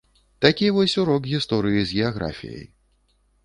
Такі вось урок гісторыі з геаграфіяй.